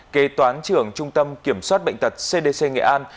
kế toán trưởng trung tâm kiểm soát bệnh tật cdc nghệ an